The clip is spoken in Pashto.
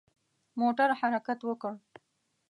موټر حرکت وکړ.